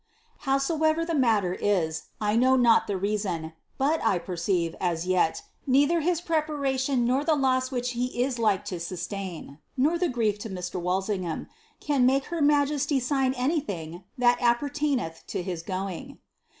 Howsoever the mailer is, I know not the reason ; but, 1 perceive, as yet, neither his preparation, nor the loss which he is like lo sustain, nor the grief of Mr. Walsingham, can make her majesty aign anything ihat apperlaineih to his going."